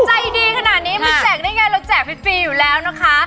ใจดีขนาดนี้มันแจกได้ไงเราแจกฟรีอยู่แล้วนะคะ